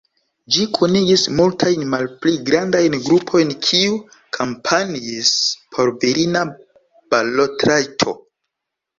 Ĝi kunigis multajn malpli grandajn grupojn kiu kampanjis por virina balotrajto.